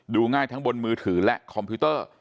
ง่ายทั้งบนมือถือและคอมพิวเตอร์